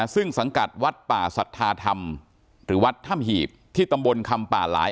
ซึ่งสังกัดวัดป่าสัทธาธรรมหรือวัดถ้ำหีบที่ตำบลคำป่าหลาย